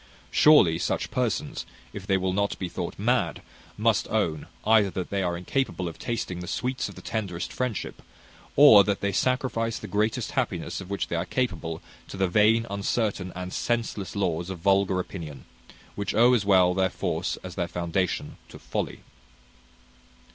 Surely such persons, if they will not be thought mad, must own, either that they are incapable of tasting the sweets of the tenderest friendship, or that they sacrifice the greatest happiness of which they are capable to the vain, uncertain, and senseless laws of vulgar opinion, which owe as well their force as their foundation to folly."